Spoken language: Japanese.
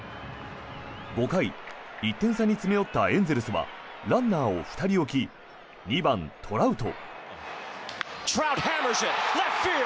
５回１点差に詰め寄ったエンゼルスはランナーを２人置き２番、トラウト。